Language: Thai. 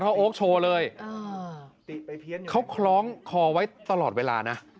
เขาโอ๊คโชว์เลยเขาคล้องคอไว้ตลอดเวลานะ